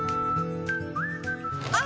あ！